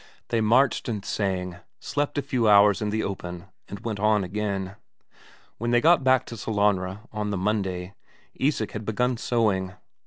They marched and sang, slept a few hours in the open, and went on again. When they got back to Sellanraa on the Monday, Isak had begun sowing.